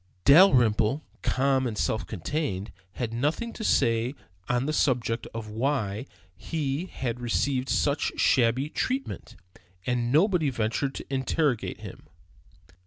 Dalrymple, calm and self contained, had nothing to say on the subject of why he had received such shabby treatment, and nobody ventured to interrogate him.